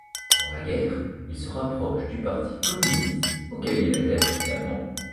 Pendant la guerre, il se rapproche du parti communiste auquel il adhère finalement.